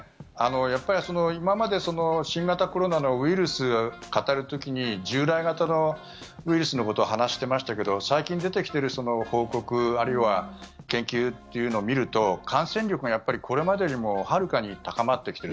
やっぱり今まで新型コロナのウイルスを語る時に従来型のウイルスのことを話していましたけど最近出てきている報告あるいは研究というのを見ると感染力がやっぱりこれまでよりもはるかに高まってきている。